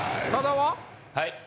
はい。